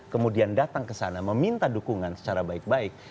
kemudian datang ke sana meminta dukungan secara baik baik